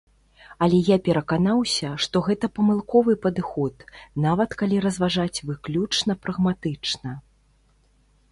Але я пераканаўся, што гэта памылковы падыход, нават калі разважаць выключна прагматычна.